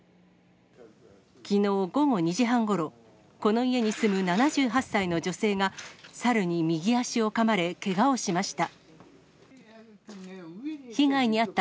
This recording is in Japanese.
きのう午後２時半ごろ、この家に住む７８歳の女性が猿に右足をかまれ、けがをしました。